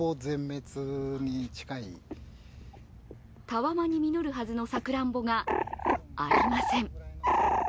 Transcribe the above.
たわわに実るはずのさくらんぼが、ありません。